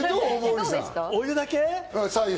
お湯だけは。